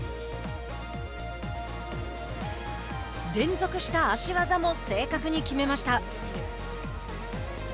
連続した足技も正確に決めました。